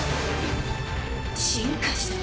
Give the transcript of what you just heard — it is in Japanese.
進化した？